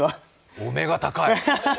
お目が高い！